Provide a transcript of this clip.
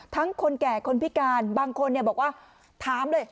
ทั้งคนแก่คนพิการบางคนเนี่ยบอกว่าถามเลย